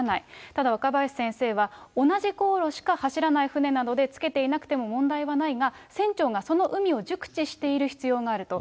ただ、若林先生は、同じ航路しか走らない船なので、付けていなくても問題はないが、船長がその海を熟知している必要があると。